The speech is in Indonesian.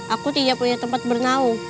aku tidak punya tempat bernaung